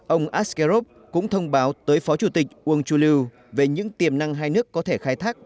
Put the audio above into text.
ông askerop cũng thông báo tới phó chủ tịch uung chuliu về những tiềm năng hai nước có thể khai thác